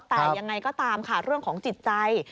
แต่ยังไงก็ตามค่ะเรื่องของจิตใจ